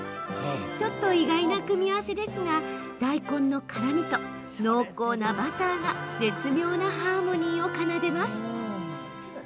ちょっと意外な組み合わせですが大根の辛みと濃厚なバターが絶妙なハーモニーを奏でます。